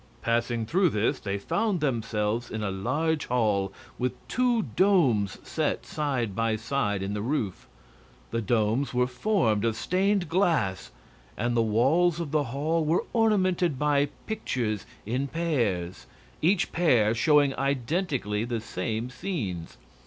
Passing through this they found themselves in a large hall with two domes set side by side in the roof. The domes were formed of stained glass, and the walls of the hall were ornamented by pictures in pairs, each pair showing identically the same scenes.